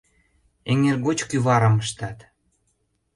Эҥер коч кӱварым ыштат.